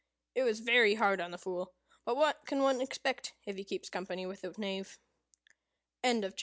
It was very hard on the Fool; but what can one expect if he keeps company with a Knave? UNDER THE SUN.